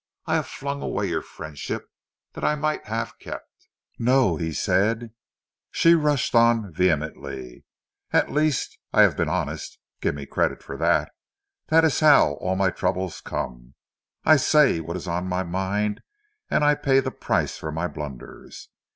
I have flung away your friendship, that I might have kept!" "No," he said. But she rushed on, vehemently—"At least, I have been honest—give me credit for that! That is how all my troubles come—I say what is in my mind, and I pay the price for my blunders.